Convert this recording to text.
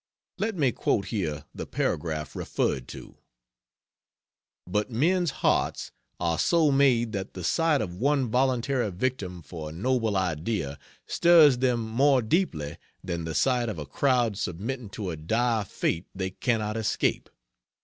Let me quote here the paragraph referred to: "But men's hearts are so made that the sight of one voluntary victim for a noble idea stirs them more deeply than the sight of a crowd submitting to a dire fate they cannot escape.